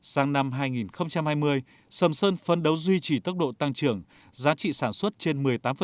sáng năm hai nghìn hai mươi sầm sơn phân đấu duy trì tốc độ tăng trưởng giá trị sản xuất trên một mươi tám